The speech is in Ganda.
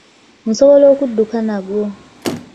Nsobola okudduka nagwo.